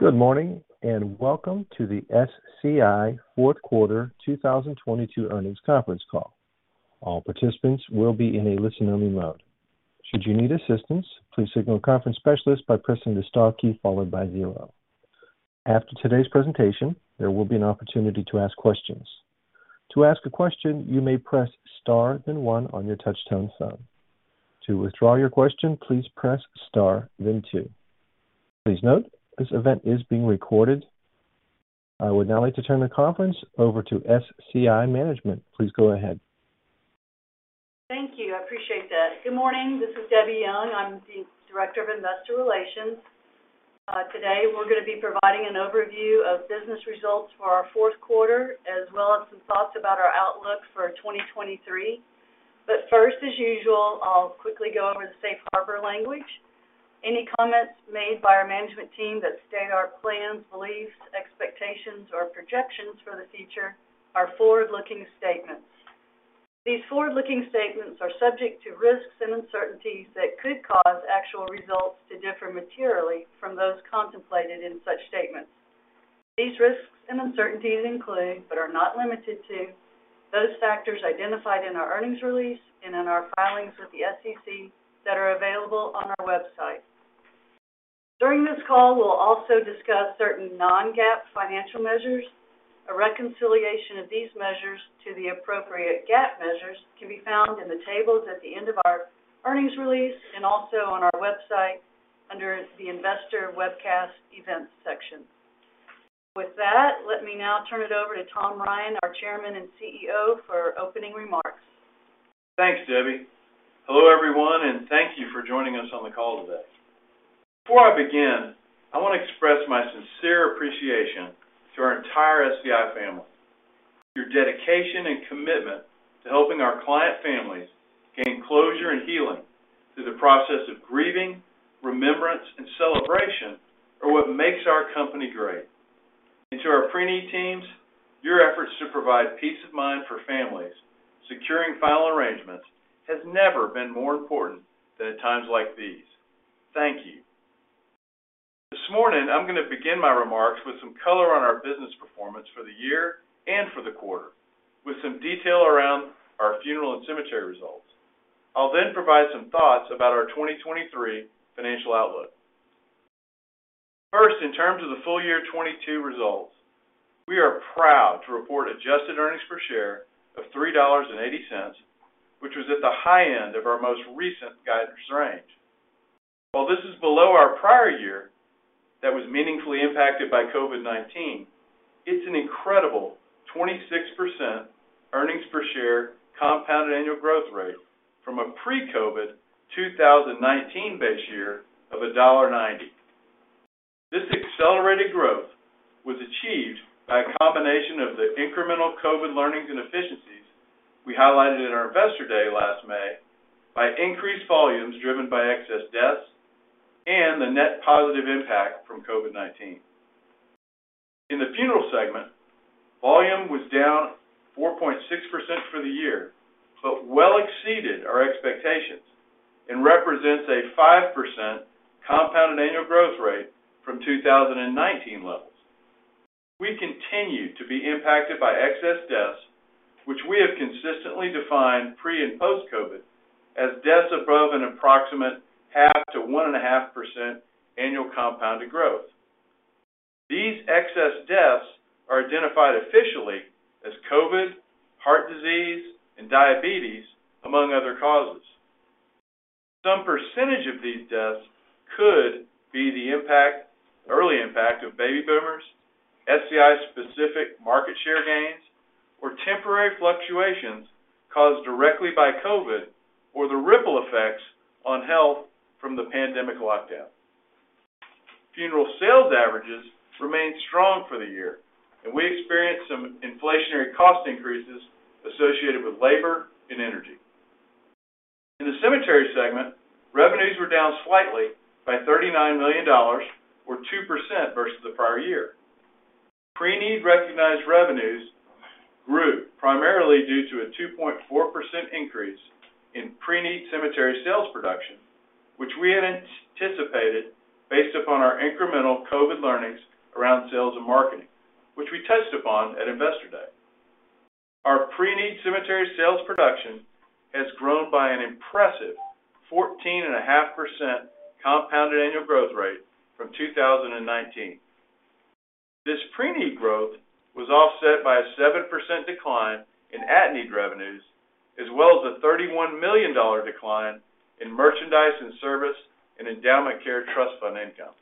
Good morning, welcome to the SCI Fourth Quarter 2022 Earnings Conference Call. All participants will be in a listen-only mode. Should you need assistance, please signal a conference specialist by pressing the Star key followed by zero. After today's presentation, there will be an opportunity to ask questions. To ask a question, you may press Star then one on your touchtone phone. To withdraw your question, please press Star then two. Please note, this event is being recorded. I would now like to turn the conference over to SCI Management. Please go ahead. Thank you. I appreciate that. Good morning. This is Debbie Young. I'm the Director of Investor Relations. Today, we're gonna be providing an overview of business results for our fourth quarter, as well as some thoughts about our outlook for 2023. As usual, I'll quickly go over the safe harbor language. Any comments made by our management team that state our plans, beliefs, expectations, or projections for the future are forward-looking statements. These forward-looking statements are subject to risks and uncertainties that could cause actual results to differ materially from those contemplated in such statements. These risks and uncertainties include, but are not limited to, those factors identified in our earnings release and in our filings with the SEC that are available on our website. During this call, we'll also discuss certain non-GAAP financial measures. A reconciliation of these measures to the appropriate GAAP measures can be found in the tables at the end of our earnings release and also on our website under the Investor Webcast Events section. With that, let me now turn it over to Tom Ryan, our Chairman and CEO, for opening remarks. Thanks, Debbie. Hello, everyone, and thank you for joining us on the call today. Before I begin, I want to express my sincere appreciation to our entire SCI family. Your dedication and commitment to helping our client families gain closure and healing through the process of grieving, remembrance, and celebration are what makes our company great. To our pre-need teams, your efforts to provide peace of mind for families, securing final arrangements, has never been more important than at times like these. Thank you. This morning, I'm going to begin my remarks with some color on our business performance for the year and for the quarter, with some detail around our funeral and cemetery results. I'll then provide some thoughts about our 2023 financial outlook. In terms of the full year 2022 results, we are proud to report adjusted earnings per share of $3.80, which was at the high end of our most recent guidance range. While this is below our prior year, that was meaningfully impacted by COVID-19, it's an incredible 26% earnings per share compounded annual growth rate from a pre-COVID 2019 base year of $1.90. This accelerated growth was achieved by a combination of the incremental COVID learnings and efficiencies we highlighted in our Investor Day last May by increased volumes driven by excess deaths and the net positive impact from COVID-19. In the funeral segment, volume was down 4.6% for the year, but well exceeded our expectations and represents a 5% compounded annual growth rate from 2019 levels. We continue to be impacted by excess deaths, which we have consistently defined pre- and post-COVID as deaths above an approximate 0.5%-1.5% annual compounded growth. These excess deaths are identified officially as COVID, heart disease, and diabetes, among other causes. Some percentage of these deaths could be the early impact of baby boomers, SCI-specific market share gains, or temporary fluctuations caused directly by COVID or the ripple effects on health from the pandemic lockdown. Funeral sales averages remained strong for the year, we experienced some inflationary cost increases associated with labor and energy. In the cemetery segment, revenues were down slightly by $39 million or 2% versus the prior year. Pre-need recognized revenues grew primarily due to a 2.4% increase in pre-need cemetery sales production, which we had anticipated based upon our incremental COVID learnings around sales and marketing, which we touched upon at Investor Day. Our pre-need cemetery sales production has grown by an impressive 14.5% compounded annual growth rate from 2019. This pre-need growth was offset by a 7% decline in at-need revenues, as well as a $31 million decline in merchandise and service and endowment care trust fund income.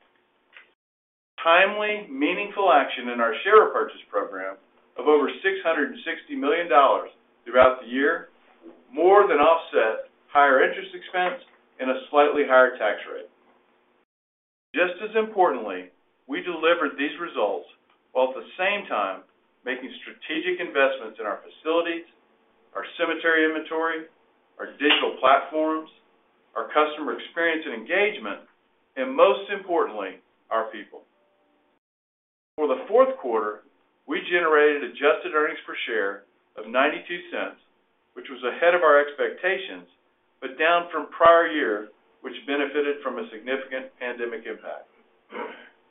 Timely, meaningful action in our share purchase program of over $660 million throughout the year more than offset higher interest expense and a slightly higher tax rate. Just as importantly, we delivered these results while at the same time making strategic investments in our facilities, our cemetery inventory, our digital platforms, our customer experience and engagement, and most importantly, our people. For the fourth quarter, we generated adjusted earnings per share of $0.92, which was ahead of our expectations, but down from prior year, which benefited from a significant pandemic impact.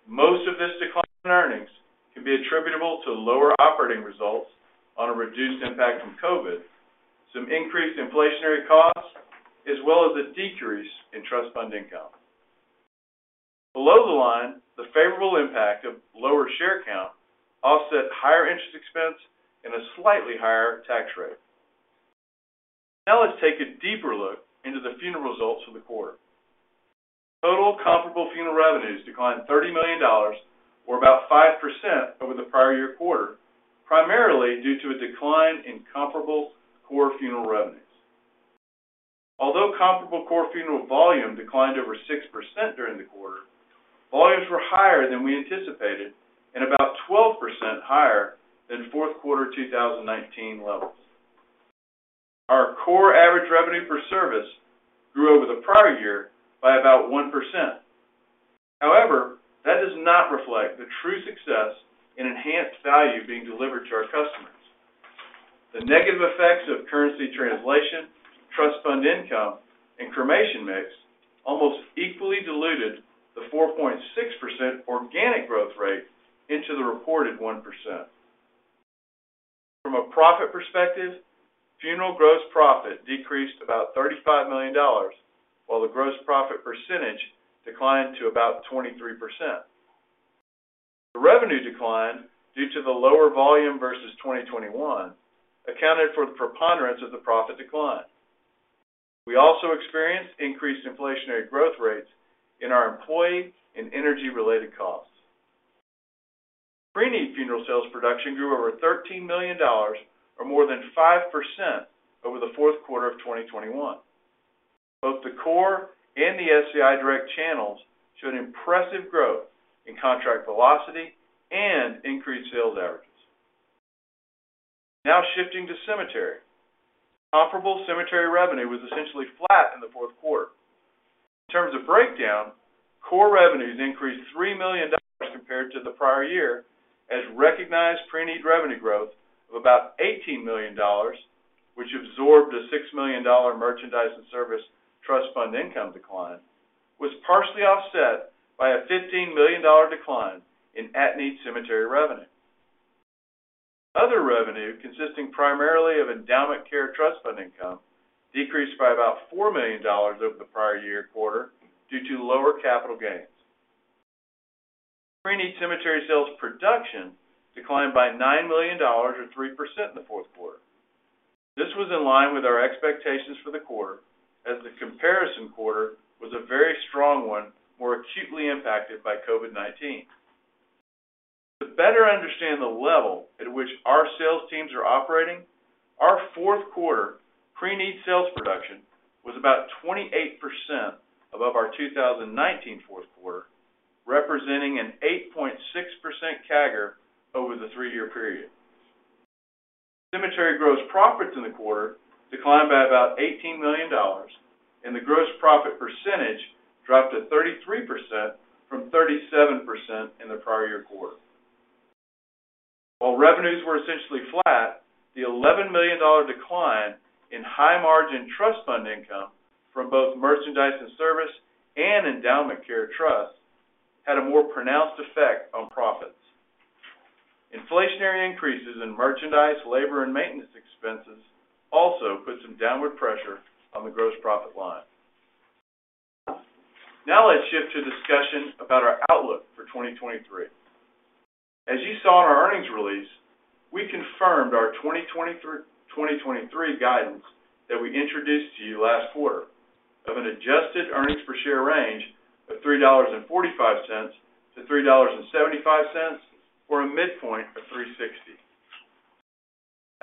Most of this decline in earnings can be attributable to lower operating results on a reduced impact from COVID, some increased inflationary costs, as well as a decrease in trust fund income. Below the line, the favorable impact of lower share count offset higher interest expense and a slightly higher tax rate. Now let's take a deeper look into the funeral results for the quarter. Total comparable funeral revenues declined $30 million or about 5% over the prior year quarter, primarily due to a decline in comparable core funeral revenues. Although comparable core funeral volume declined over 6% during the quarter, volumes were higher than we anticipated and about 12% higher than fourth quarter 2019 levels. Our core average revenue per service grew over the prior year by about 1%. However, that does not reflect the true success and enhanced value being delivered to our customers. The negative effects of currency translation, trust fund income, and cremation mix almost equally diluted the 4.6% organic growth rate into the reported 1%. From a profit perspective, funeral gross profit decreased about $35 million, while the gross profit percentage declined to about 23%. The revenue decline due to the lower volume versus 2021 accounted for the preponderance of the profit decline. We also experienced increased inflationary growth rates in our employee and energy-related costs. Preneed funeral sales production grew over $13 million or more than 5% over Q4 2021. Both the core and the SCI Direct channels showed impressive growth in contract velocity and increased sales averages. Shifting to cemetery. Comparable cemetery revenue was essentially flat in Q4. In terms of breakdown, core revenues increased $3 million compared to the prior year as recognized preneed revenue growth of about $18 million, which absorbed a $6 million merchandise and service trust fund income decline, was partially offset by a $15 million decline in at-need cemetery revenue. Other revenue consisting primarily of endowment care trust fund income decreased by about $4 million over the prior year quarter due to lower capital gains. Preneed cemetery sales production declined by $9 million or 3% in the fourth quarter. This was in line with our expectations for the quarter as the comparison quarter was a very strong one, more acutely impacted by COVID-19. To better understand the level at which our sales teams are operating, our fourth quarter preneed sales production was about 28% above our 2019 fourth quarter, representing an 8.6% CAGR over the three-year period. Cemetery gross profits in the quarter declined by about $18 million, and the gross profit percentage dropped to 33% from 37% in the prior year quarter. While revenues were essentially flat, the $11 million decline in high-margin trust fund income from both merchandise and service and endowment care trusts had a more pronounced effect on profits. Inflationary increases in merchandise, labor, and maintenance expenses also put some downward pressure on the gross profit line. Let's shift to discussion about our outlook for 2023. As you saw in our earnings release, we confirmed our 2023 guidance that we introduced to you last quarter of an adjusted earnings per share range of $3.45-$3.75 or a mid-point of $3.60.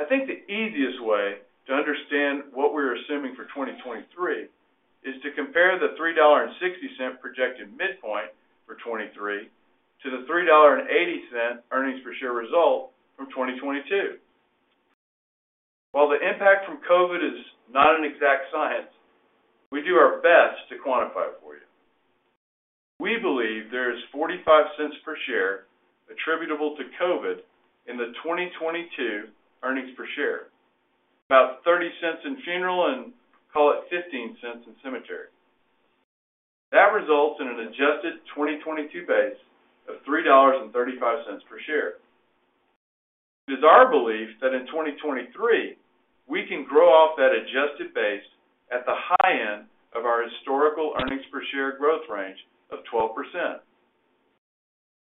I think the easiest way to understand what we're assuming for 2023 is to compare the $3.60 projected mid-point for 2023 to the $3.80 earnings per share result from 2022. While the impact from COVID is not an exact science, we do our best to quantify it for you. We believe there is $0.45 per share attributable to COVID in the 2022 earnings per share, about $0.30 in funeral, and call it $0.15 in cemetery. That results in an adjusted 2022 base of $3.35 per share. It is our belief that in 2023, we can grow off that adjusted base at the high end of our historical earnings per share growth range of 12%.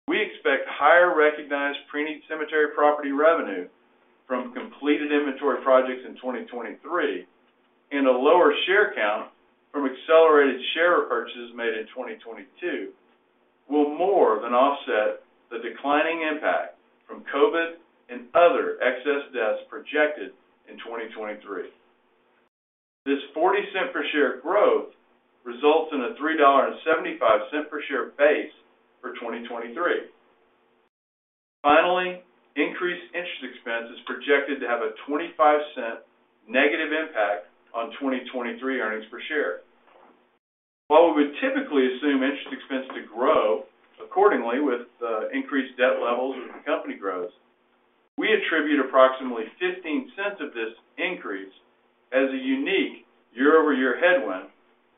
We expect higher recognized preneed cemetery property revenue from completed inventory projects in 2023 and a lower share count from accelerated share purchases made in 2022 will more than offset the declining impact from COVID and other excess deaths projected in 2023. This $0.40 per share growth results in a $3.75 per share base for 2023. Increased interest expense is projected to have a $0.25 negative impact on 2023 earnings per share. While we would typically assume interest expense to grow accordingly with increased debt levels as the company grows, we attribute approximately $0.15 of this increase as a unique year-over-year headwind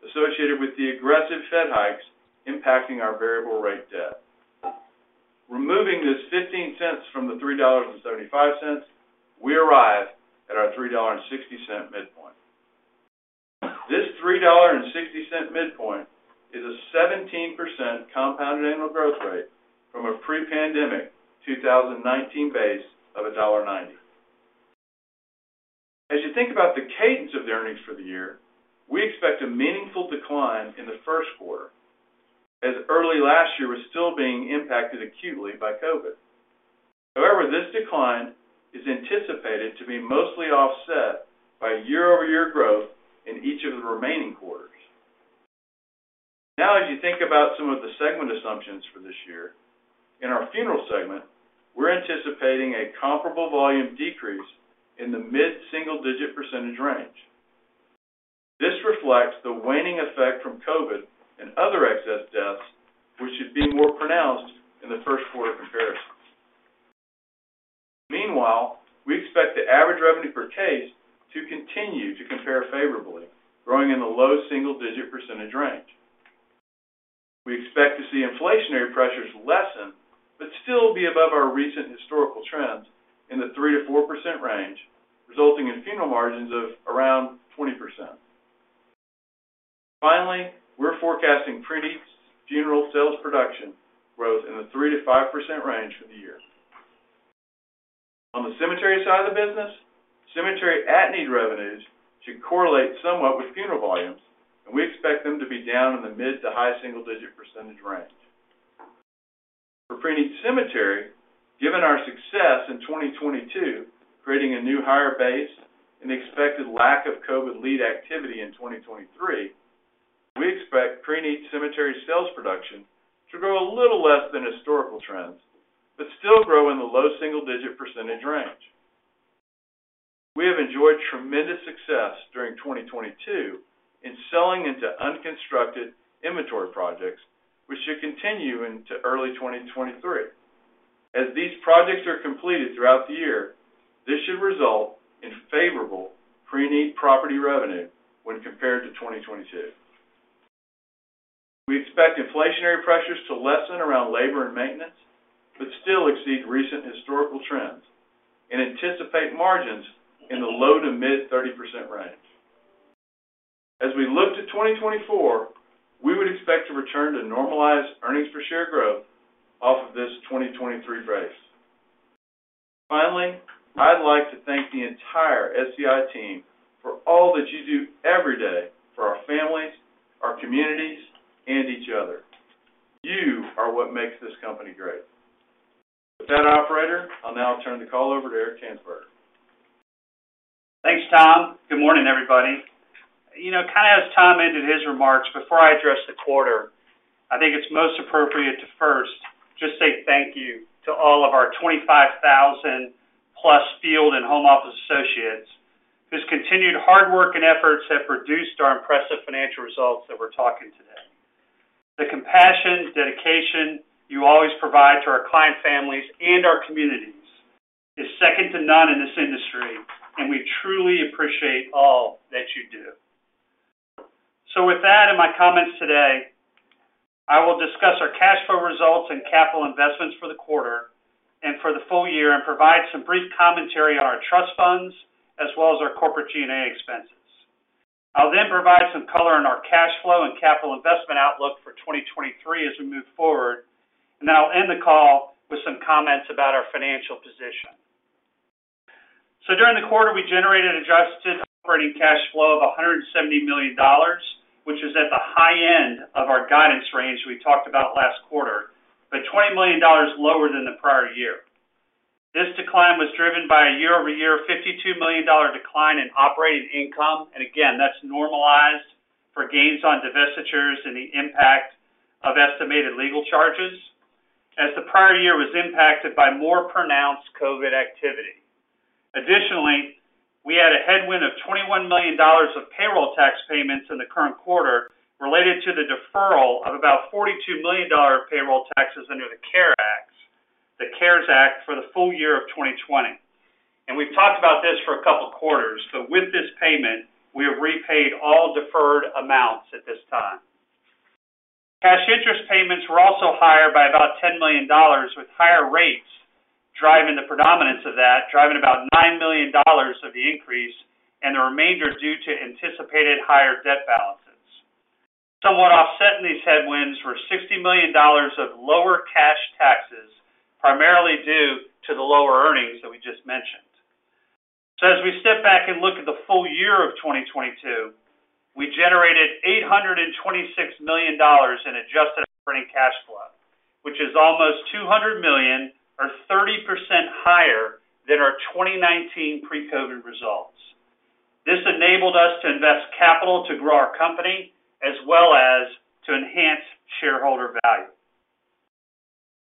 associated with the aggressive Fed hikes impacting our variable rate debt. Removing this $0.15 from the $3.75, we arrive at our $3.60 midpoint. This $3.60 midpoint is a 17% compounded annual growth rate from a pre-pandemic 2019 base of $1.90. As you think about the cadence of the earnings for the year, we expect a meaningful decline in the first quarter as early last year was still being impacted acutely by COVID. This decline is anticipated to be mostly offset by year-over-year growth in each of the remaining quarters. As you think about some of the segment assumptions for this year, in our funeral segment, we're anticipating a comparable volume decrease in the mid-single-digit percentage range. This reflects the waning effect from COVID and other excess deaths, which should be more pronounced in the first quarter comparisons. We expect the average revenue per case to continue to compare favorably, growing in the low single-digit percentage range. We expect to see inflationary pressures lessen, but still be above our recent historical trends in the 3%-4% range, resulting in funeral margins of around 20%. We're forecasting preneed funeral sales production growth in the 3%-5% range for the year. On the cemetery side of the business, cemetery at-need revenues should correlate somewhat with funeral volumes, and we expect them to be down in the mid- to high-single-digit percentage range. For preneed cemetery, given our success in 2022, creating a new higher base and expected lack of COVID lead activity in 2023, we expect preneed cemetery sales production to grow a little less than historical trends, but still grow in the low-single-digit percentage range. We have enjoyed tremendous success during 2022 in selling into unconstructed inventory projects, which should continue into early 2023. As these projects are completed throughout the year, this should result in favorable preneed property revenue when compared to 2022. We expect inflationary pressures to lessen around labor and maintenance, but still exceed recent historical trends and anticipate margins in the low to mid 30% range. As we look to 2024, we would expect to return to normalized earnings per share growth off of this 2023 base. Finally, I'd like to thank the entire SCI team for all that you do every day for our families, our communities, and each other. You are what makes this company great. With that, operator, I'll now turn the call over to Eric Tanzberger. Thanks, Tom. Good morning, everybody. You know, kind of as Tom ended his remarks before I address the quarter, I think it's most appropriate to first just say thank you to all of our 25,000+ field and home office associates, whose continued hard work and efforts have produced our impressive financial results that we're talking today. The compassion, dedication you always provide to our client families and our communities is second to none in this industry. We truly appreciate all that you do. With that, in my comments today, I will discuss our cash flow results and capital investments for the quarter and for the full year and provide some brief commentary on our trust funds as well as our corporate G&A expenses. I'll then provide some color on our cash flow and capital investment outlook for 2023 as we move forward. I'll end the call with some comments about our financial position. During the quarter, we generated adjusted operating cash flow of $170 million, which is at the high end of our guidance range we talked about last quarter, $20 million lower than the prior year. This decline was driven by a year-over-year $52 million decline in operating income. Again, that's normalized for gains on divestitures and the impact of estimated legal charges as the prior year was impacted by more pronounced COVID activity. Additionally, we had a headwind of $21 million of payroll tax payments in the current quarter related to the deferral of about $42 million of payroll taxes under the CARES Act for the full year of 2020. We've talked about this for a couple of quarters. With this payment, we have repaid all deferred amounts at this time. Cash interest payments were also higher by about $10 million, with higher rates driving the predominance of that, driving about $9 million of the increase, and the remainder due to anticipated higher debt balances. Somewhat offsetting these headwinds were $60 million of lower cash taxes, primarily due to the lower earnings that we just mentioned. As we step back and look at the full year of 2022, we generated $826 million in adjusted operating cash flow, which is almost $200 million or 30% higher than our 2019 pre-COVID results. This enabled us to invest capital to grow our company as well as to enhance shareholder value.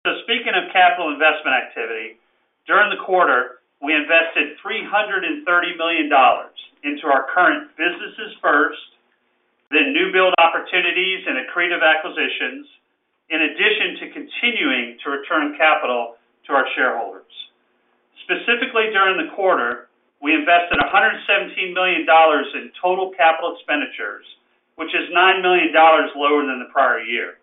Of capital investment activity, during the quarter, we invested $330 million into our current businesses first, then new build opportunities and accretive acquisitions, in addition to continuing to return capital to our shareholders. Specifically, during the quarter, we invested $117 million in total capital expenditures, which is $9 million lower than the prior year.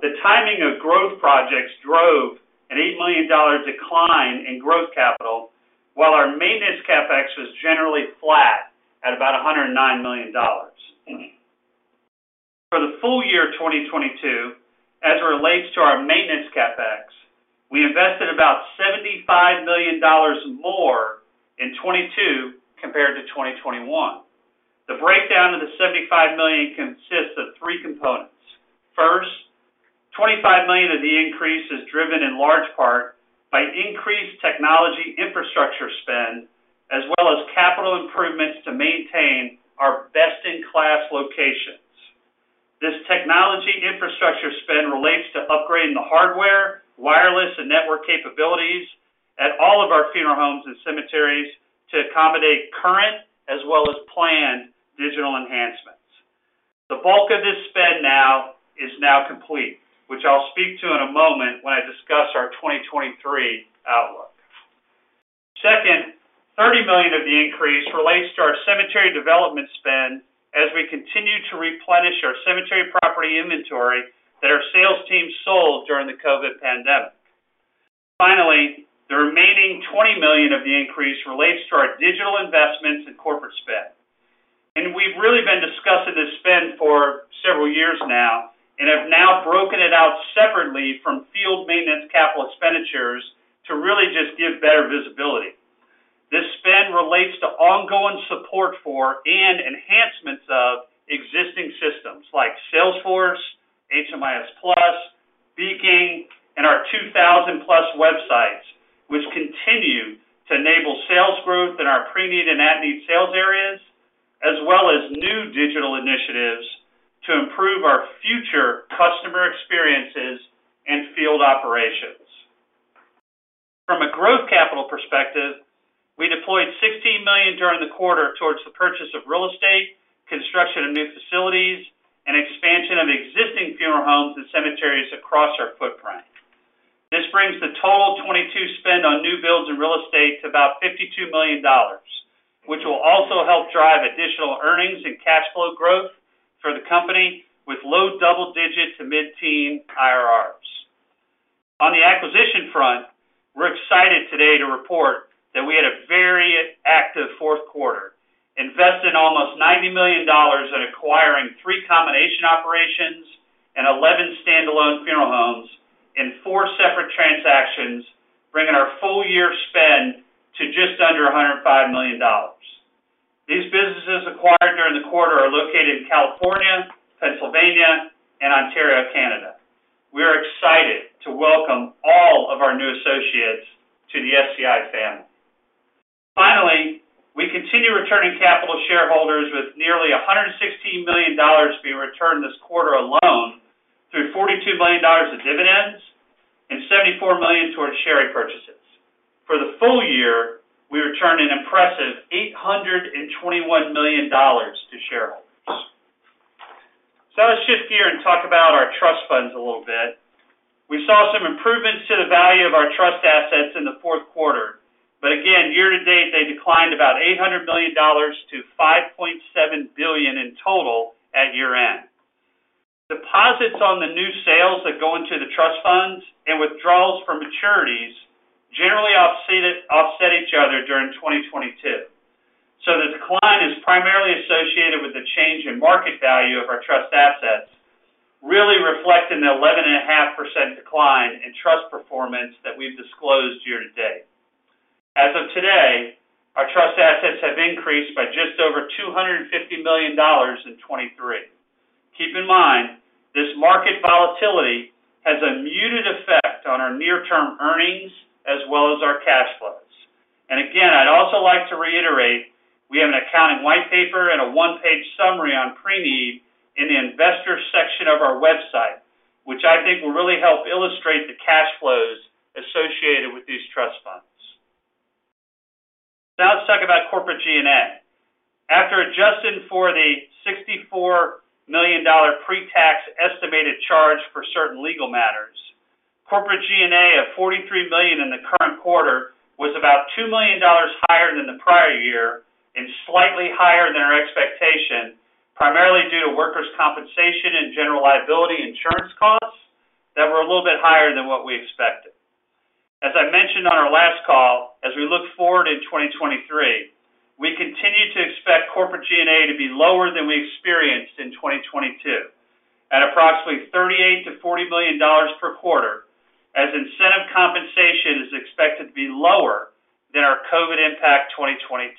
The timing of growth projects drove an $8 million decline in growth capital, while our maintenance CapEx was generally flat at about $109 million. For the full year 2022, as it relates to our maintenance CapEx, we invested about $75 million more in 2022 compared to 2021. The breakdown of the $75 million consists of three components. First, $25 million of the increase is driven in large part by increased technology infrastructure spend, as well as capital improvements to maintain our best-in-class locations. This technology infrastructure spend relates to upgrading the hardware, wireless and network capabilities at all of our funeral homes and cemeteries to accommodate current as well as planned digital enhancements. The bulk of this spend now is now complete, which I'll speak to in a moment when I discuss our 2023 outlook. Second, $30 million of the increase relates to our cemetery development spend as we continue to replenish our cemetery property inventory that our sales team sold during the COVID pandemic. Finally, the remaining $20 million of the increase relates to our digital investments and corporate spend. We've really been discussing this spend for several years now and have now broken it out separately from field maintenance capital expenditures to really just give better visibility. This spend relates to ongoing support for and enhancements of existing systems like Salesforce, HMIS Plus, Beacon, and our 2,000+ websites, which continue to enable sales growth in our pre-need and at-need sales areas, as well as new digital initiatives to improve our future customer experiences and field operations. From a growth capital perspective, we deployed $16 million during the quarter towards the purchase of real estate, construction of new facilities, and expansion of existing funeral homes and cemeteries across our footprint. This brings the total 2022 spend on new builds and real estate to about $52 million, which will also help drive additional earnings and cash flow growth for the company with low double digits to mid-teen IRRs. On the acquisition front, we're excited today to report that we had a very active fourth quarter, investing almost $90 million in acquiring three combination operations and 11 standalone funeral homes in four separate transactions, bringing our full-year spend to just under $105 million. These businesses acquired during the quarter are located in California, Pennsylvania, and Ontario, Canada. We're excited to welcome all of our new associates to the SCI family. We continue returning capital to shareholders with nearly $116 million being returned this quarter alone through $42 million of dividends and $74 million towards share repurchases. For the full year, we returned an impressive $821 million to shareholders. Let's shift gears and talk about our trust funds a little bit. We saw some improvements to the value of our trust assets in the fourth quarter. Again, year-to-date, they declined about $800 million-$5.7 billion in total at year-end. Deposits on the new sales that go into the trust funds and withdrawals from maturities generally offset each other during 2022. The decline is primarily associated with the change in market value of our trust assets, really reflecting the 11.5% decline in trust performance that we've disclosed year-to-date. As of today, our trust assets have increased by just over $250 million in 2023. Keep in mind, this market volatility has a muted effect on our near-term earnings as well as our cash flows. Again, I'd also like to reiterate, we have an accounting white paper and a one-page summary on pre-need in the investor section of our website, which I think will really help illustrate the cash flows associated with these trust funds. Now let's talk about corporate G&A. After adjusting for the $64 million pre-tax estimated charge for certain legal matters, corporate G&A of $43 million in the current quarter was about $2 million higher than the prior year and slightly higher than our expectation, primarily due to workers' compensation and general liability insurance costs that were a little bit higher than what we expected. As I mentioned on our last call, as we look forward in 2023, we continue to expect corporate G&A to be lower than we experienced in 2022 at approximately $38 million-$40 million per quarter, as incentive compensation is expected to be lower than our COVID impact 2022.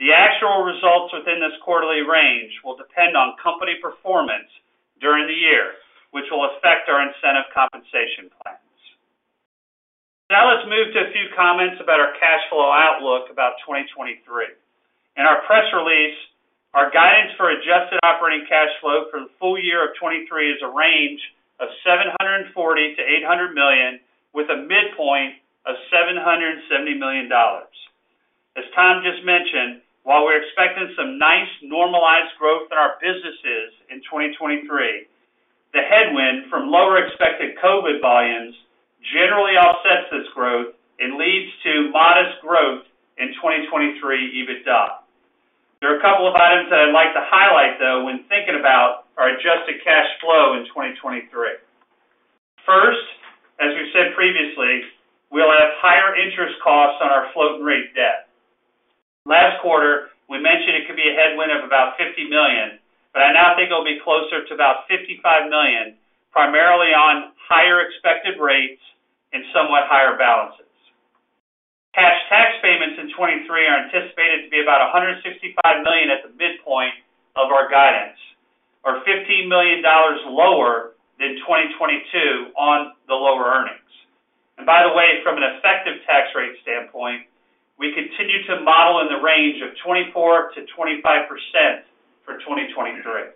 The actual results within this quarterly range will depend on company performance during the year, which will affect our incentive compensation plans. Let's move to a few comments about our cash flow outlook about 2023. In our press release, our guidance for adjusted operating cash flow for the full year of 2023 is a range of $740 million-$800 million, with a mid-point of $770 million. As Tom just mentioned, while we're expecting some nice normalized growth in our businesses in 2023, the headwind from lower expected COVID volumes generally offsets this growth and leads to modest growth in 2023 EBITDA. There are a couple of items that I'd like to highlight, though, when thinking about our adjusted cash flow in 2023. First, as we've said previously, we'll have higher interest costs on our floating-rate debt. Last quarter, we mentioned it could be a headwind of about $50 million, but I now think it'll be closer to about $55 million, primarily on higher expected rates and somewhat higher balances. Cash tax payments in 2023 are anticipated to be about $165 million at the midpoint of our guidance, or $15 million lower than 2022 on the lower earnings. By the way, from an effective tax rate standpoint, we continue to model in the range of 24%-25% for 2023.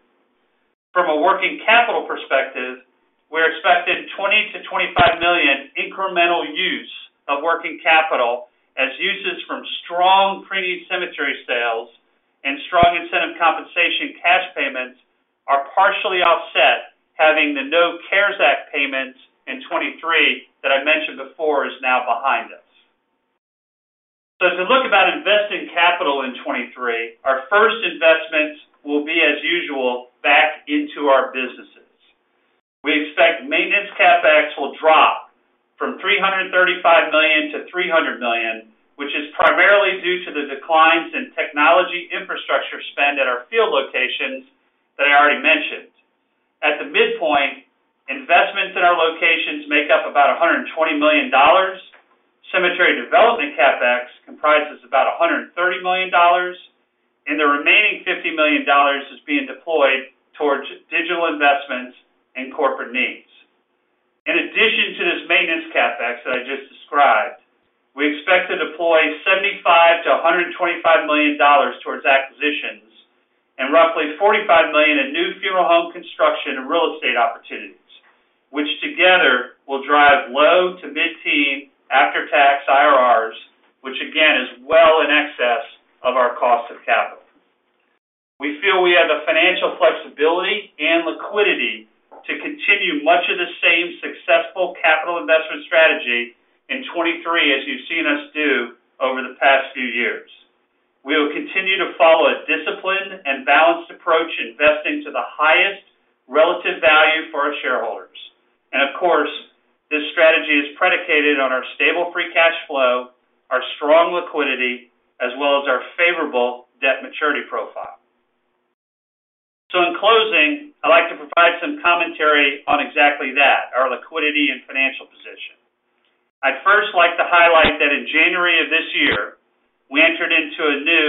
From a working capital perspective, we're expecting $20 million-$25 million incremental use of working capital as uses from strong preneed cemetery sales and strong incentive compensation cash payments are partially offset, having the no CARES Act payments in 2023 that I mentioned before is now behind us. To look about investing capital in 2023, our first investments will be, as usual, back into our businesses. We expect maintenance CapEx will drop from $335 million-$300 million, which is primarily due to the declines in technology infrastructure spend at our field locations that I already mentioned. At the mid-point, investments in our locations make up about $120 million. Cemetery development CapEx comprises about $130 million, and the remaining $50 million is being deployed towards digital investments and corporate needs. In addition to this maintenance CapEx that I just described, we expect to deploy $75 million-$125 million towards acquisitions and roughly $45 million in new funeral home construction and real estate opportunities, which together will drive low-to-mid-teen after-tax IRRs, which, again, is well in excess of our cost of capital. We feel we have the financial flexibility and liquidity to continue much of the same successful capital investment strategy in 2023 as you've seen us do over the past few years. We will continue to follow a disciplined and balanced approach, investing to the highest relative value for our shareholders. Of course, this strategy is predicated on our stable free cash flow, our strong liquidity, as well as our favorable debt maturity profile. In closing, I'd like to provide some commentary on exactly that, our liquidity and financial position. I'd first like to highlight that in January of this year, we entered into a new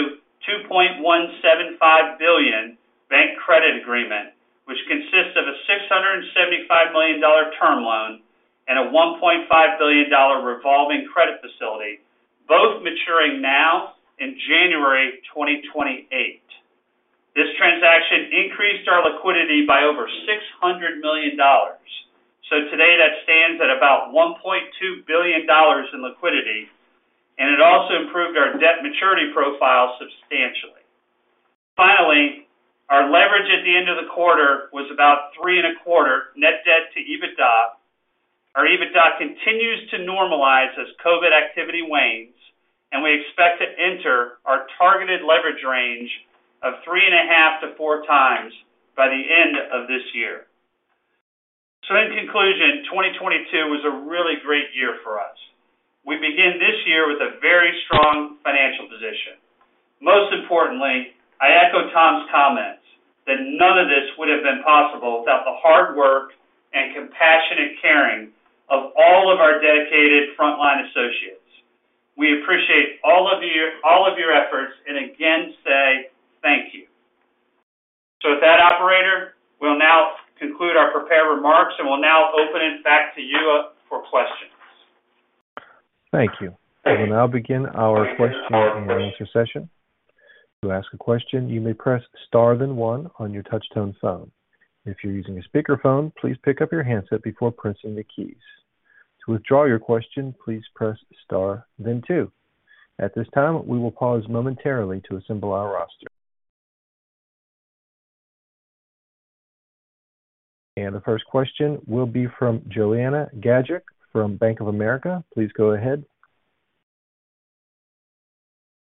$2.175 billion bank credit agreement, which consists of a $675 million term loan and a $1.5 billion revolving credit facility, both maturing now in January 2028. This transaction increased our liquidity by over $600 million. Today, that stands at about $1.2 billion in liquidity, and it also improved our debt maturity profile substantially. Finally, our leverage at the end of the quarter was about three and a quarter net debt to EBITDA. Our EBITDA continues to normalize as COVID activity wanes, and we expect to enter our targeted leverage range of 3.5 to four times by the end of this year. In conclusion, 2022 was a really great year for us. We begin this year with a very strong financial position. Most importantly, I echo Tom's comments that none of this would have been possible without the hard work and compassionate caring of all of our dedicated frontline associates. We appreciate all of your efforts and again say thank you. With that, operator, we'll now conclude our prepared remarks, and we'll now open it back to you for questions. Thank you. We will now begin our question and answer session. To ask a question, you may press star then one on your touch-tone phone. If you're using a speakerphone, please pick up your handset before pressing the keys. To withdraw your question, please press star then two. At this time, we will pause momentarily to assemble our roster. The first question will be from Joanna Gajuk from Bank of America. Please go ahead.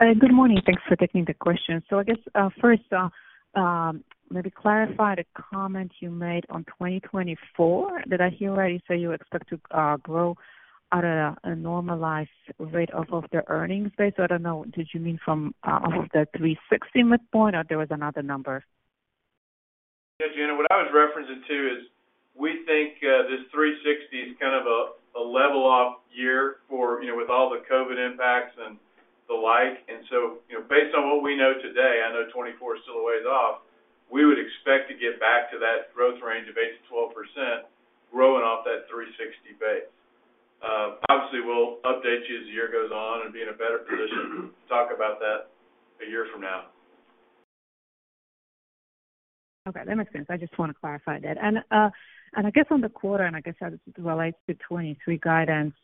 Good morning. Thanks for taking the question. I guess, maybe clarify the comment you made on 2024. Did I hear right you say you expect to grow at a normalized rate off of the earnings base? I don't know, did you mean from off of the 360 mid-point, or there was another number? Joanna, what I was referencing to is we think this 360 is kind of a level-off year for, you know, with all the COVID impacts and the like. You know, based on what we know today, I know 2024 is still a ways off. We would expect to get back to that growth range of 8%-12% growing off that 360 base. Obviously, we'll update you as the year goes on and be in a better position to talk about that a year from now. Okay, that makes sense. I just want to clarify that. I guess on the quarter, and I guess how this relates to 2023 guidance,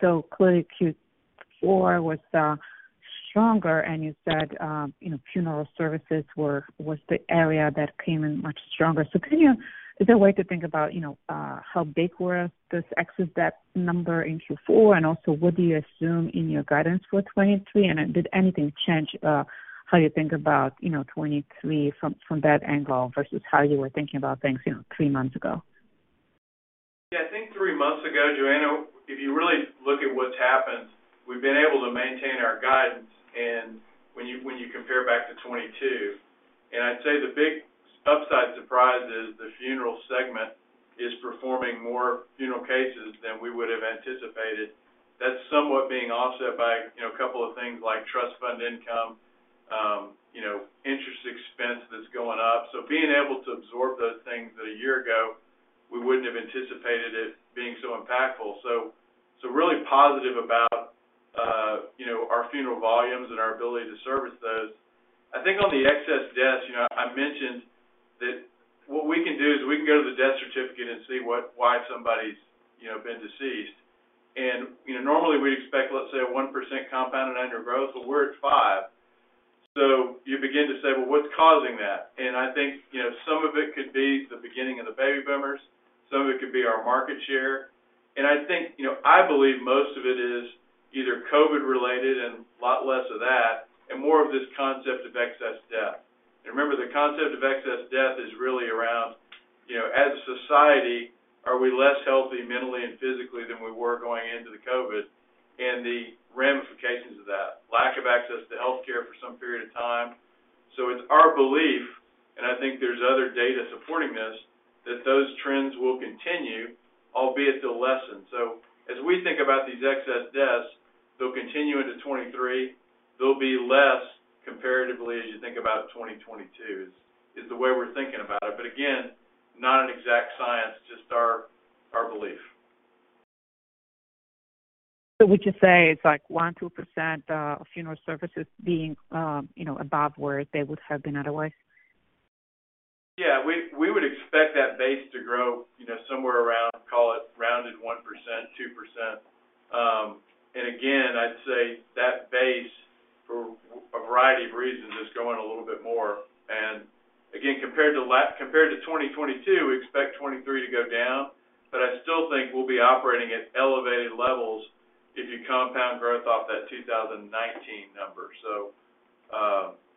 so clearly Q4 was stronger, and you said, you know, funeral services was the area that came in much stronger. So is there a way to think about, you know, how big were those excess death number in Q4? Also, what do you assume in your guidance for 2023? Did anything change how you think about, you know, 2023 from that angle versus how you were thinking about things, you know, three months ago? Yeah. I think three months ago, Joanna, if you really look at what's happened, we've been able to maintain our guidance. When you compare back to 2022, I'd say the big upside surprise is the funeral segment is performing more funeral cases than we would have anticipated. That's somewhat being offset by, you know, a couple of things like trust fund income, you know, interest expense that's going up. Being able to absorb those things that a year ago we wouldn't have anticipated it being so impactful. So really positive about, you know, our funeral volumes and our ability to service those. I think on the excess deaths, you know, I mentioned that what we can do is we can go to the death certificate and see why somebody's, you know, been deceased. You know, normally we expect, let's say, a 1% compounded under growth. Well, we're at five. You begin to say, "Well, what's causing that?" I think, you know, some of it could be the beginning of the baby boomers, some of it could be our market share. I think, you know, I believe most of it is either COVID-related and a lot less of that and more of this concept of excess death. Remember, the concept of excess death is really around, you know, as a society, are we less healthy mentally and physically than we were going into the COVID and the ramifications of that. Lack of access to healthcare for some period of time. It's our belief, and I think there's other data supporting this, that those trends will continue, albeit they'll lessen. As we think about these excess deaths, they'll continue into 23. They'll be less comparatively as you think about 2022, is the way we're thinking about it. Again, not an exact science, just our belief. Would you say it's like 1%, 2% of funeral services being, you know, above where they would have been otherwise? Yeah. We would expect that base to grow, you know, somewhere around, call it rounded 1%-2%. Again, I'd say that base, for a variety of reasons, is going a little bit more. Again, compared to 2022, we expect 2023 to go down. I still think we'll be operating at elevated levels if you compound growth off that 2019 number.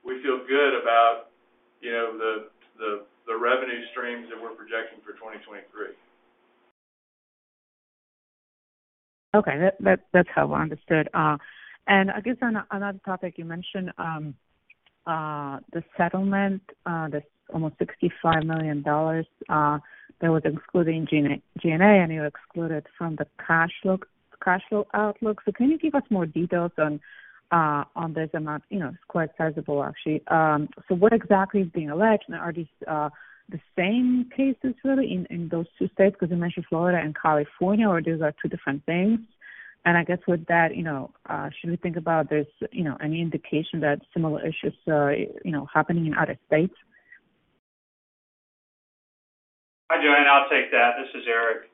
We feel good about, you know, the revenue streams that we're projecting for 2023. Okay. That's helpful. Understood. I guess on another topic, you mentioned the settlement, this almost $65 million, that was excluding G&A, and you exclude it from the cash flow outlook. Can you give us more details on this amount? You know, it's quite sizable, actually. What exactly is being alleged? Are these the same cases really in those two states, because you mentioned Florida and California, or these are two different things? I guess with that, you know, should we think about this, you know, any indication that similar issues are, you know, happening in other states? Hi, Joanna. I'll take that. This is Eric.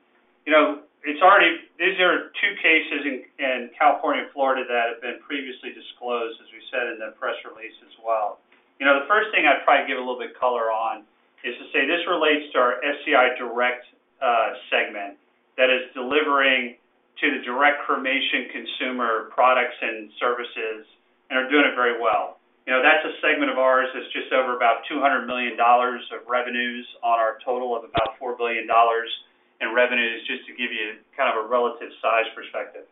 You know, these are two cases in California and Florida that have been previously disclosed, as we said in the press release as well. You know, the first thing I'd probably give a little bit color on is to say this relates to our SCI Direct segment that is delivering to the direct cremation consumer products and services and are doing it very well. You know, that's a segment of ours that's just over about $200 million of revenues on our total of about $4 billion in revenues, just to give you kind of a relative size perspective.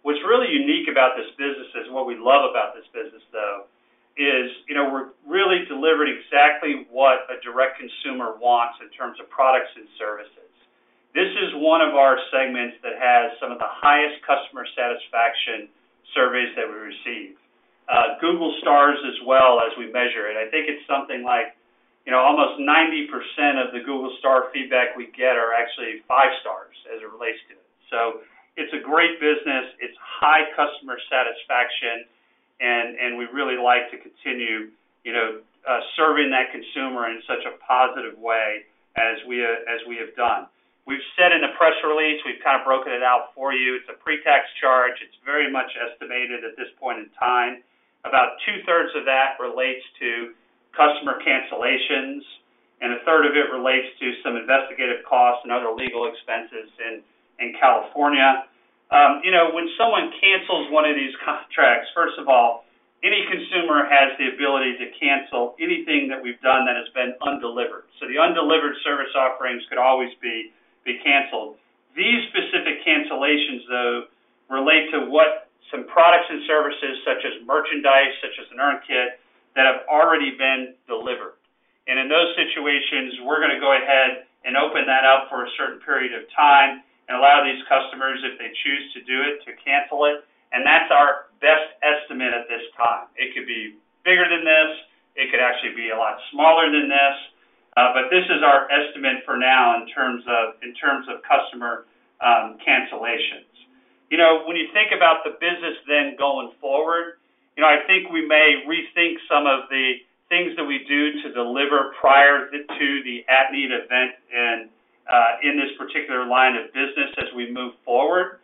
What's really unique about this business is, and what we love about this business, though, is, you know, we're really delivering exactly what a direct consumer wants in terms of products and services. This is one of our segments that has some of the highest customer satisfaction surveys that we receive. Google stars as well as we measure it. I think it's something like, you know, almost 90% of the Google star feedback we get are actually five stars as it relates to it. It's a great business. It's high customer satisfaction, and we really like to continue, you know, serving that consumer in such a positive way as we have done. We've said in the press release, we've kind of broken it out for you. It's a pre-tax charge. It's very much estimated at this point in time. About two-thirds of that relates to customer cancellations, and a third of it relates to some investigative costs and other legal expenses in California. you know, when someone cancels one of these contracts, first of all, any consumer has the ability to cancel anything that we've done that has been undelivered. The undelivered service offerings could always be canceled. These specific cancellations, though, relate to what some products and services, such as merchandise, such as an urn kit, that have already been delivered. In those situations, we're gonna go ahead and open that up for a certain period of timeIf they choose to do it, to cancel it. That's our best estimate at this time. It could be bigger than this, it could actually be a lot smaller than this. This is our estimate for now in terms of customer cancellations. You know, when you think about the business then going forward, you know, I think we may rethink some of the things that we do to deliver prior to the at-need event in this particular line of business as we move forward.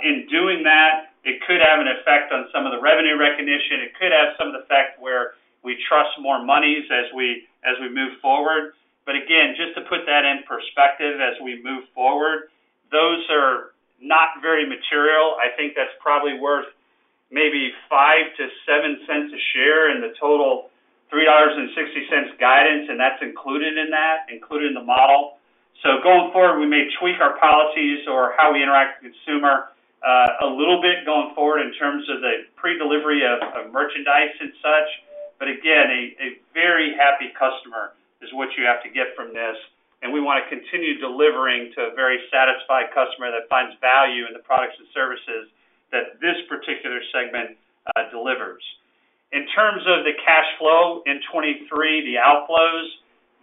In doing that, it could have an effect on some of the revenue recognition. It could have some effect where we trust more monies as we move forward. Again, just to put that in perspective as we move forward, those are not very material. I think that's probably worth maybe $0.05-$0.07 a share in the total $3.60 guidance, and that's included in the model. Going forward, we may tweak our policies or how we interact with consumer a little bit going forward in terms of the pre-delivery of merchandise and such. Again, a very happy customer is what you have to get from this, and we wanna continue delivering to a very satisfied customer that finds value in the products and services that this particular segment delivers. In terms of the cash flow in 2023, the outflows,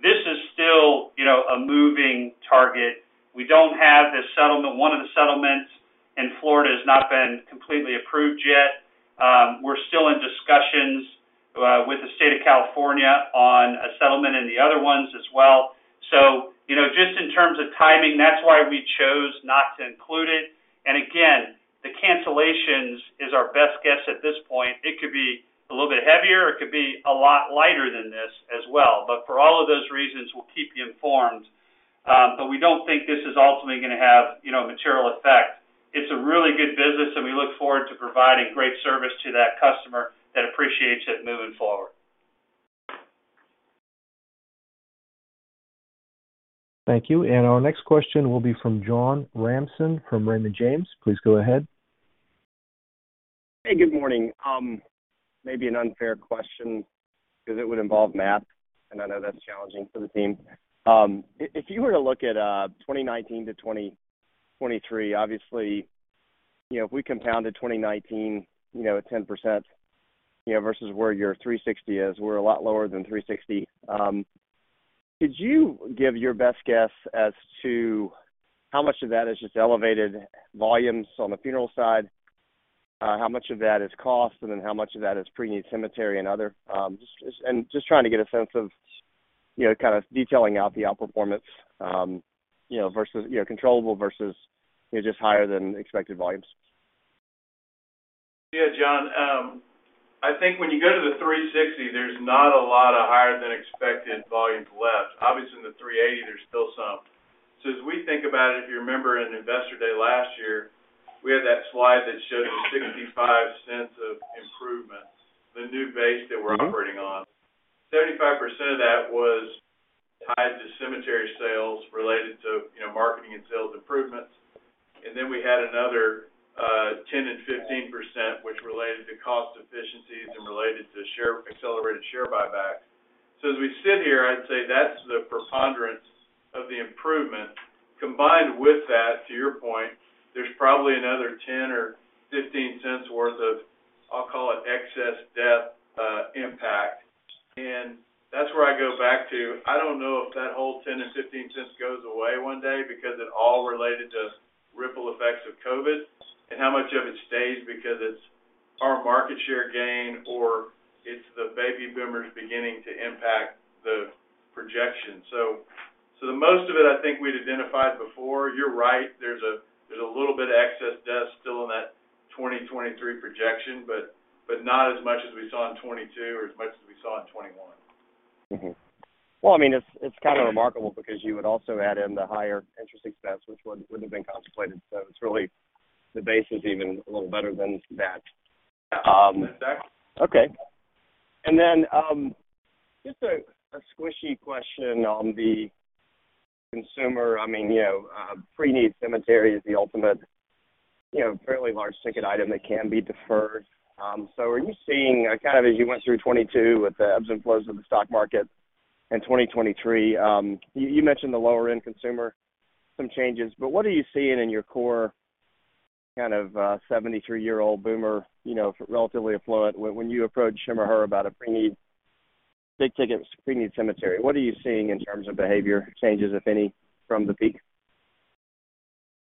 this is still, you know, a moving target. We don't have the settlement. One of the settlements in Florida has not been completely approved yet. We're still in discussions with the State of California on a settlement in the other ones as well. You know, just in terms of timing, that's why we chose not to include it. Again, the cancellations is our best guess at this point. It could be a little bit heavier or it could be a lot lighter than this as well. For all of those reasons, we'll keep you informed. We don't think this is ultimately gonna have, you know, material effect. It's a really good business, and we look forward to providing great service to that customer that appreciates it moving forward. Thank you. Our next question will be from John Ransom from Raymond James. Please go ahead. Hey, good morning. Maybe an unfair question because it would involve math, and I know that's challenging for the team. If you were to look at 2019 to 2023, obviously, you know, if we compounded 2019, you know, at 10%, you know, versus where your 360 is, we're a lot lower than 360. Could you give your best guess as to how much of that is just elevated volumes on the funeral side? How much of that is cost and then how much of that is pre-need cemetery and other? Just trying to get a sense of, you know, kind of detailing out the outperformance, you know, versus, you know, controllable versus, you know, just higher than expected volumes. Yeah, John. I think when you go to the 360, there's not a lot of higher than expected volumes left. Obviously, in the 380, there's still some. As we think about it, if you remember in Investor Day last year, we had that slide that showed the $0.65 of improvement, the new base that we're operating on. 75% of that was tied to cemetery sales related to, you know, marketing and sales improvements. Then we had another 10% and 15%, which related to cost efficiencies and related to accelerated share buybacks. As we sit here, I'd say that's the preponderance of the improvement. Combined with that, to your point, there's probably another $0.10 or $0.15 worth of, I'll call it excess death, impact. That's where I go back to, I don't know if that whole $0.10 and $0.15 goes away one day because it all related to ripple effects of COVID, and how much of it stays because it's our market share gain or it's the baby boomers beginning to impact the projection. The most of it, I think we'd identified before. You're right, there's a little bit of excess death still in that 2023 projection, not as much as we saw in 2022 or as much as we saw in 2021. Well, I mean, it's kind of remarkable because you would also add in the higher interest expense, which wouldn't have been contemplated. It's really the base is even a little better than that. Yeah. Okay. Just a squishy question on the consumer. I mean, you know, pre-need cemetery is the ultimate, you know, fairly large ticket item that can be deferred. Are you seeing kind of as you went through 2022 with the ebbs and flows of the stock market in 2023, you mentioned the lower end consumer, some changes, but what are you seeing in your core kind of 73-year-old boomer, you know, relatively affluent when you approach him or her about a pre-need, big ticket pre-need cemetery? What are you seeing in terms of behavior changes, if any, from the peak?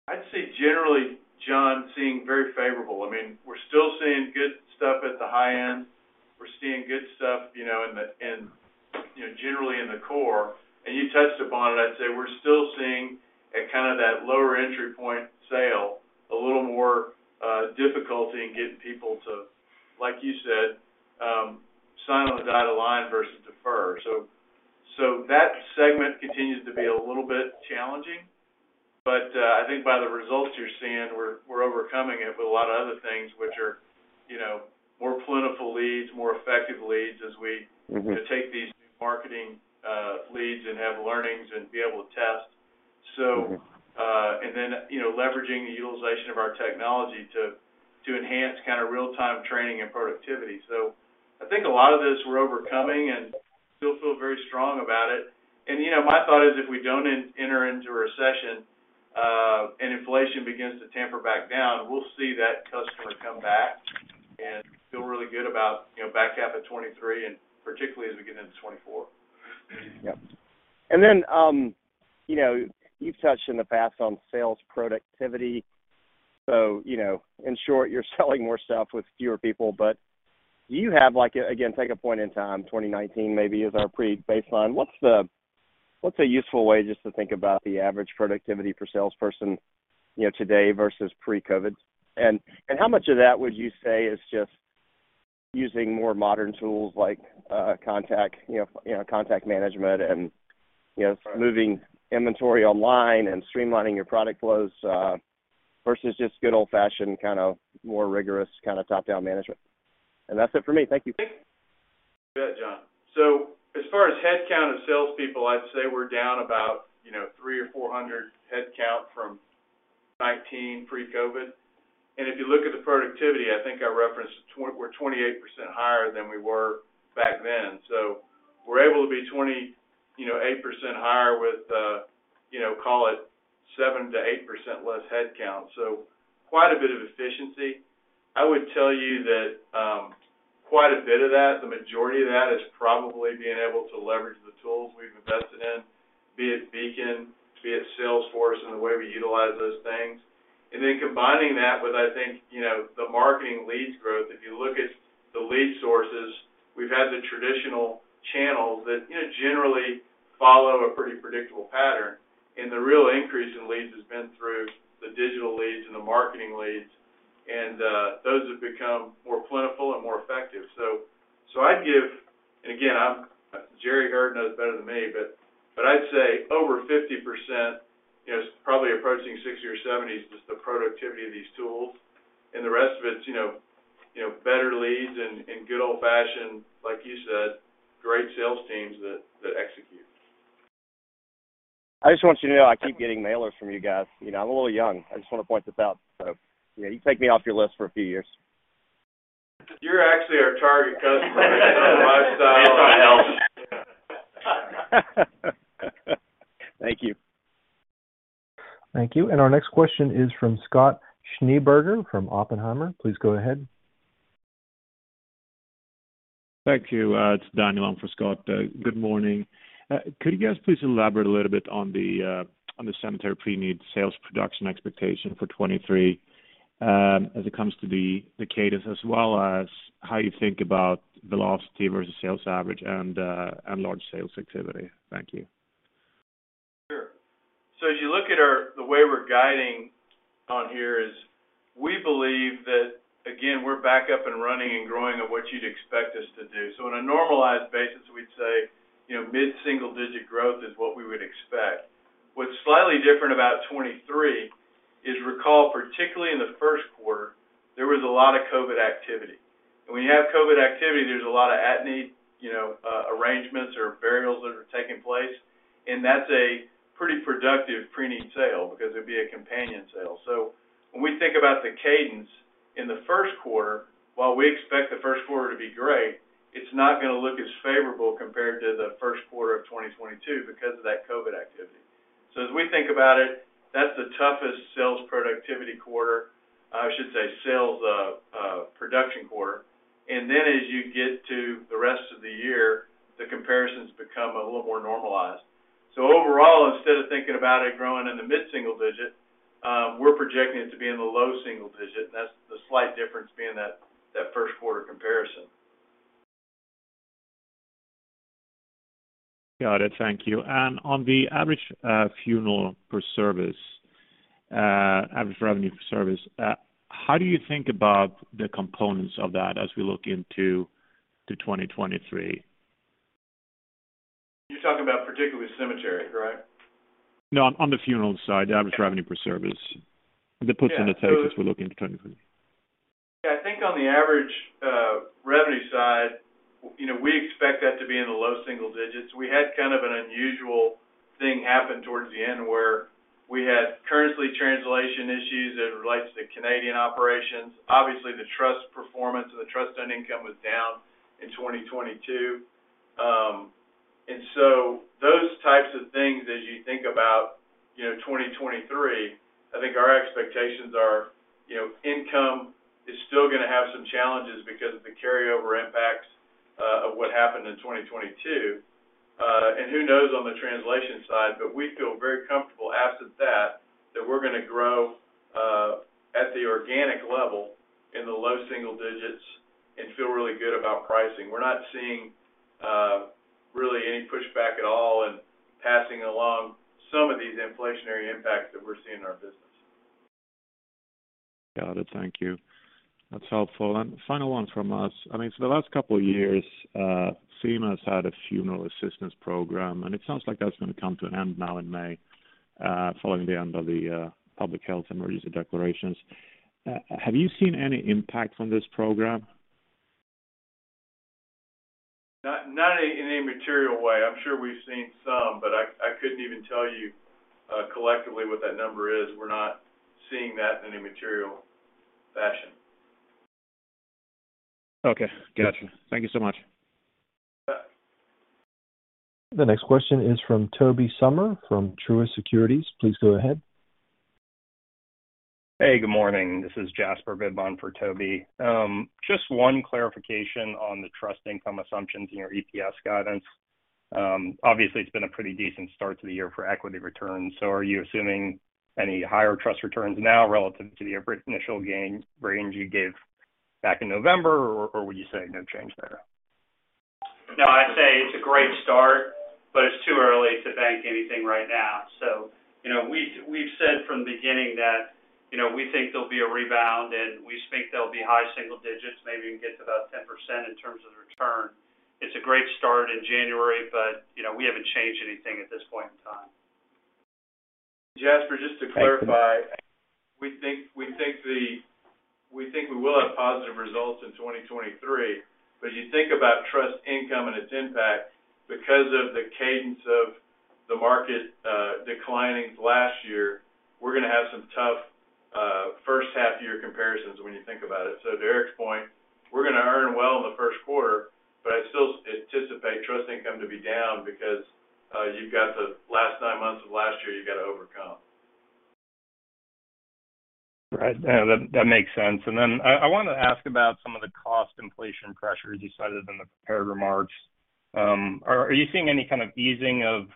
I'd say generally, John, seeing very favorable. I mean, we're still seeing good stuff at the high end. We're seeing good stuff, you know, in the, you know, generally in the core. You touched upon it. I'd say we're still seeing at kind of that lower entry point sale, a little more difficulty in getting people to, like you said, sign on the dotted line versus defer. That segment continues to be a little bit challenging. I think by the results you're seeing, we're overcoming it with a lot of other things which are, you know, more plentiful leads, more effective leads. Mm-hmm. -take these marketing, leads and have learnings and be able to test. Mm-hmm. You know, leveraging the utilization of our technology to enhance kind of real-time training and productivity. I think a lot of this we're overcoming. Still feel very strong about it. You know, my thought is if we don't enter into a recession, and inflation begins to tamper back down, we'll see that customer come back and feel really good about, you know, back half of 2023 and particularly as we get into 2024. Yeah. Then, you know, you've touched in the past on sales productivity. You know, in short, you're selling more stuff with fewer people, but do you have like, again, take a point in time, 2019 maybe is our pre-baseline. What's a useful way just to think about the average productivity per salesperson, you know, today versus pre-COVID? How much of that would you say is just using more modern tools like, contact, you know, contact management and, you know, moving inventory online and streamlining your product flows, versus just good old-fashioned kind of more rigorous kind of top-down management? That's it for me. Thank you. You bet, John. As far as headcount of salespeople, I'd say we're down about, you know, 300 or 400 headcount from 2019 pre-COVID. If you look at the productivity, I think I referenced we're 28% higher than we were back then. We're able to be 28% higher with, you know, call it 7%-8% less headcount, quite a bit of efficiency. I would tell you that, quite a bit of that, the majority of that is probably being able to leverage the tools we've invested in, be it Beacon, be it Salesforce, and the way we utilize those things. Then combining that with, I think, you know, the marketing leads growth. If you look at the lead sources, we've had the traditional channels that, you know, generally follow a pretty predictable pattern. The real increase in leads has been through the digital leads and the marketing leads, and those have become more plentiful and more effective. Again, Gerry Heard knows better than me, but I'd say over 50%, you know, it's probably approaching 60% or 70% is just the productivity of these tools. The rest of it's, you know, better leads and good old-fashioned, like you said, great sales teams that execute. I just want you to know I keep getting mailers from you guys. You know, I'm a little young. I just wanna point this out. You know, you can take me off your list for a few years. You're actually our target customer. Lifestyle- It's on Elvis. Thank you. Thank you. Our next question is from Scott Schneeberger from Oppenheimer. Please go ahead. Thank you. It's Daniel in for Scott. Good morning. Could you guys please elaborate a little bit on the on the cemetery pre-need sales production expectation for 23, as it comes to the cadence as well as how you think about velocity versus sales average and large sales activity? Thank you. Sure. As you look at our the way we're guiding on here is we believe that, again, we're back up and running and growing at what you'd expect us to do. On a normalized basis, we'd say, you know, mid-single digit growth is what we would expect. What's slightly different about 2023 is recall, particularly in the first quarter, there was a lot of COVID activity. When you have COVID activity, there's a lot of at-need, you know, arrangements or burials that are taking place, and that's a pretty productive pre-need sale because it'd be a companion sale. When we think about the cadence in the first quarter, while we expect the first quarter to be great, it's not gonna look as favorable compared to the first quarter of 2022 because of that COVID activity. As we think about it, that's the toughest sales productivity quarter. I should say sales production quarter. Then as you get to the rest of the year, the comparisons become a little more normalized. Overall, instead of thinking about it growing in the mid-single digit, we're projecting it to be in the low single digit. That's the slight difference being that first quarter comparison. Got it. Thank you. On the average, funeral per service, average revenue per service, how do you think about the components of that as we look into 2023? You're talking about particularly cemetery, correct? No, on the funeral side, the average revenue per service. The puts and the takes as we look into 2023. I think on the average revenue side, you know, we expect that to be in the low single digits. We had kind of an unusual thing happen towards the end where we had currency translation issues as it relates to Canadian operations. Obviously, the trust performance or the trust earned income was down in 2022. Those types of things as you think about, you know, 2023, I think our expectations are, you know, income is still gonna have some challenges because of the carryover impacts of what happened in 2022. Who knows on the translation side, but we feel very comfortable absent that we're gonna grow at the organic level in the low single digits and feel really good about pricing. We're not seeing, really any pushback at all in passing along some of these inflationary impacts that we're seeing in our business. Got it. Thank you. That's helpful. Final one from us. I mean, the last couple years, CMA's had a funeral assistance program, it sounds like that's gonna come to an end now in May, following the end of the public health emergency declarations. Have you seen any impact from this program? Not in any material way. I'm sure we've seen some, but I couldn't even tell you collectively what that number is. We're not seeing that in any material fashion. Okay, gotcha. Thank you so much. The next question is from Tobey Sommer from Truist Securities. Please go ahead. Hey, good morning. This is Jasper Bibb for Tobey Sommer. Just one clarification on the trust income assumptions in your EPS guidance. Obviously, it's been a pretty decent start to the year for equity returns. Are you assuming any higher trust returns now relative to your initial gain range you gave back in November, or would you say no change there? I'd say it's a great start, but it's too early to bank anything right now. You know, we've said from the beginning that, you know, we think there'll be a rebound, and we think they'll be high single digits, maybe even get to about 10% in terms of the return. It's a great start in January, but, you know, we haven't changed anything at this point in time. Jasper, just to clarify. We think we will have positive results in 2023. As you think about trust income and its impact because of the cadence of the market, declining last year, we're gonna have some tough first half year comparisons when you think about it. To Eric's point, we're gonna earn well in the first quarter, but I still anticipate trust income to be down because you've got the last nine months of last year you've got to overcome. Right. Yeah, that makes sense. Then I wanna ask about some of the cost inflation pressures you cited in the prepared remarks. Are you seeing any kind of easing of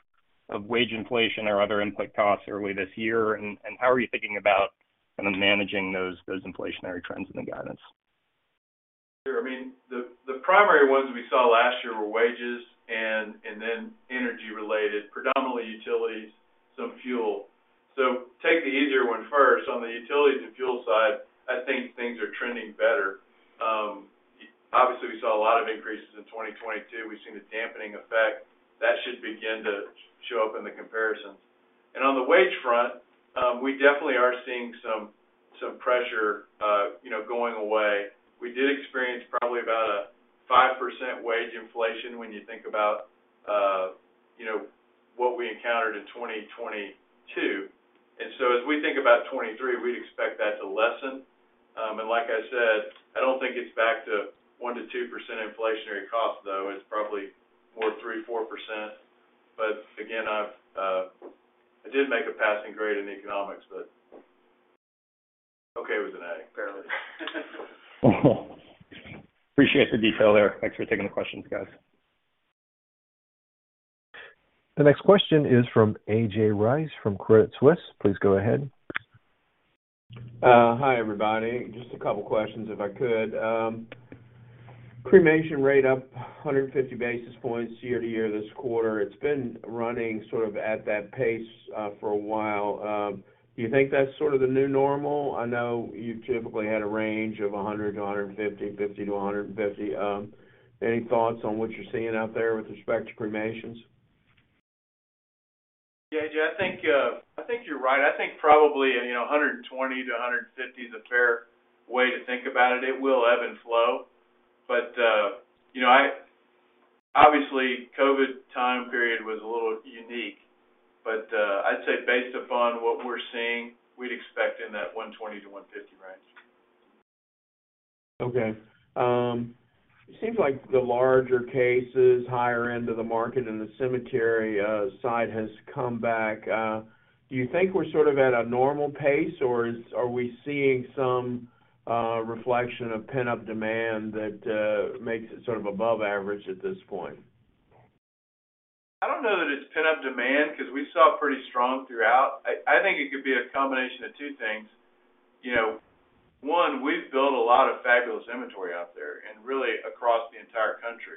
wage inflation or other input costs early this year? How are you thinking about kind of managing those inflationary trends in the guidance? Sure. I mean, the primary ones we saw last year were wages and then energy-related, predominantly utilities, some fuel. Take the easier one first. On the utilities and fuel side, I think things are trending better. Obviously, we saw a lot of increases in 2022. We've seen the dampening effect. That should begin to show up in the comparisons. On the wage front, we definitely are seeing some pressure, you know, going away. We did experience probably about a 5% wage inflation when you think about, you know, what we encountered in 2022. As we think about 2023, we'd expect that to lessen. Like I said, I don't think it's back to 1%-2% inflationary cost, though. It's probably more 3%-4%. Again, I've, I did make a passing grade in economics, but okay with an A, apparently. Appreciate the detail there. Thanks for taking the questions, guys. The next question is from A.J. Rice from Credit Suisse. Please go ahead. Hi, everybody. Just a couple questions if I could. Cremation rate up 150 basis points year-to-year this quarter. It's been running sort of at that pace for a while. Do you think that's sort of the new normal? I know you've typically had a range of 100-150, 50-150. Any thoughts on what you're seeing out there with respect to cremations? Yeah. I think, I think you're right. I think probably, you know, 120-150 is a fair way to think about it. It will ebb and flow. You know, obviously, COVID time period was a little unique, but I'd say based upon what we're seeing, we'd expect in that 120-150 range. Okay. It seems like the larger cases, higher end of the market in the cemetery side has come back. Do you think we're sort of at a normal pace, or are we seeing some reflection of pent-up demand that makes it sort of above average at this point? I don't know that it's pent-up demand 'cause we saw pretty strong throughout. I think it could be a combination of two things. You know, one, we've built a lot of fabulous inventory out there and really across the entire country.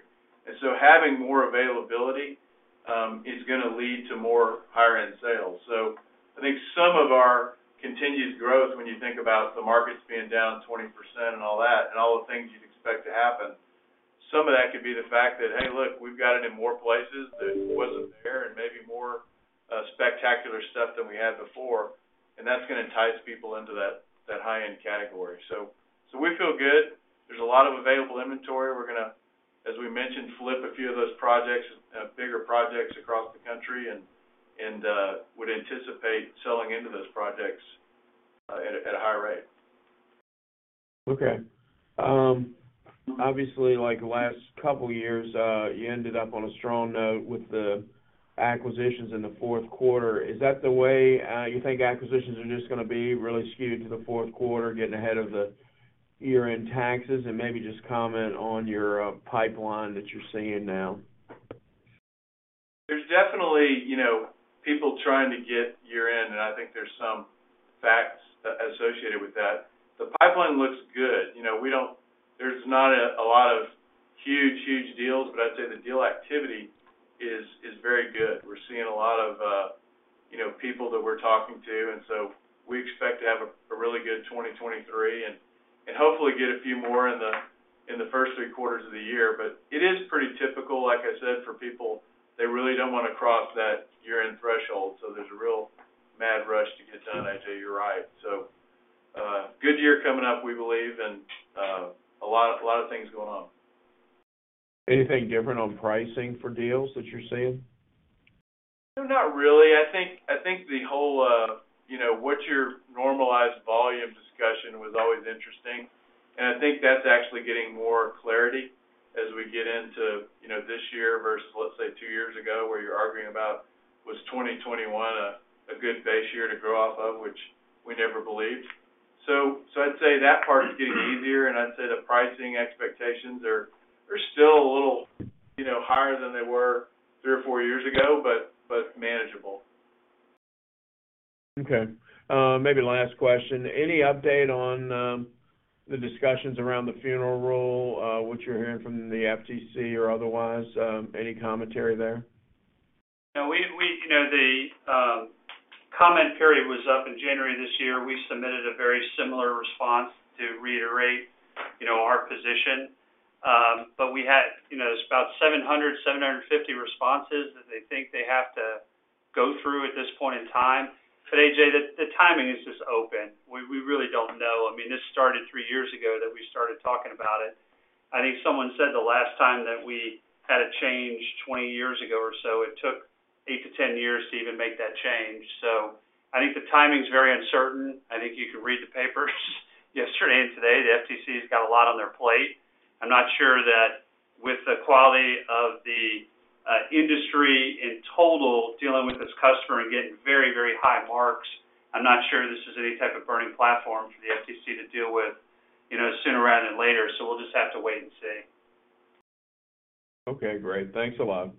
Having more availability is gonna lead to more higher-end sales. I think some of our continued growth when you think about the markets being down 20% and all that, and all the things you'd expect to happen, some of that could be the fact that, hey, look, we've got it in more places that wasn't there and maybe more spectacular stuff than we had before. That's gonna entice people into that high-end category. We feel good. There's a lot of available inventory. We're gonna, as we mentioned, flip a few of those projects, bigger projects across the country and would anticipate selling into those projects at a high rate. Okay. obviously, like last couple years, you ended up on a strong note with the acquisitions in the fourth quarter. Is that the way, you think acquisitions are just gonna be really skewed to the fourth quarter, getting ahead of the year-end taxes? Maybe just comment on your pipeline that you're seeing now. There's definitely, you know, people trying to get year-end, and I think there's some facts associated with that. The pipeline looks good. You know, we don't there's not a lot of huge deals, but I'd say the deal activity is very good. We're seeing a lot of, you know, people that we're talking to, and so we expect to have a really good 2023 and hopefully get a few more in the first three quarters of the year. It is pretty typical, like I said, for people, they really don't wanna cross that year-end threshold, so there's a real mad rush to get done. I'd say you're right. Good year coming up, we believe, and a lot of things going on. Anything different on pricing for deals that you're seeing? No, not really. I think the whole, you know, what's your normalized volume discussion was always interesting. I think that's actually getting more clarity as we get into, you know, this year versus, let say, two years ago, where you're arguing about was 2021 a good base year to grow off of, which we never believed. I'd say that part is getting easier, and I'd say the pricing expectations are still a little, you know, higher than they were three or four years ago, but manageable. Okay. Maybe last question. Any update on the discussions around the Funeral Rule, what you're hearing from the FTC or otherwise? Any commentary there? No, we You know, the comment period was up in January this year. We submitted a very similar response to reiterate, you know, our position. We had, you know, it's about 700, 750 responses that they think they have to go through at this point in time. A.J. Rice, the timing is just open. We really don't know. I mean, this started three years ago that we started talking about it. I think someone said the last time that we had a change 20 years ago or so it took eight to 10 years to even make that change. I think the timing is very uncertain. I think you could read the papers yesterday and today, the FTC has got a lot on their plate. I'm not sure that with the quality of the, industry in total, dealing with this customer and getting very, very high marks, I'm not sure this is any type of burning platform for the FTC to deal with, you know, sooner rather than later. We'll just have to wait and see. Okay, great. Thanks a lot.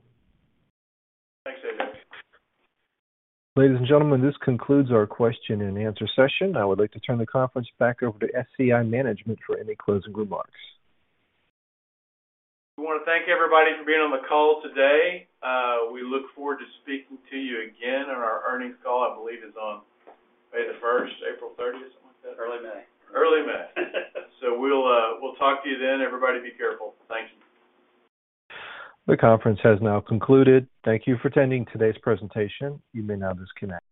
Thanks, A.J. Ladies and gentlemen, this concludes our question and answer session. I would like to turn the conference back over to SCI Management for any closing remarks. We wanna thank everybody for being on the call today. We look forward to speaking to you again on our earnings call, I believe is on May the first, April 30th. Early May. Early May. We'll, we'll talk to you then. Everybody, be careful. Thank you. The conference has now concluded. Thank you for attending today's presentation. You may now disconnect.